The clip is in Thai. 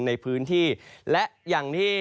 ในพื้นที่และอย่างที่